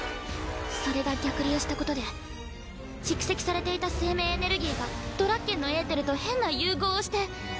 それが逆流したことで蓄積されていた生命エネルギーがドラッケンのエーテルと変な融合をして。